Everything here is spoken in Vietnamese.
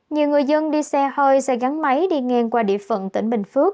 nhiều người dân đi xe hơi xe gắn máy đi ngang qua địa phận tỉnh bình phước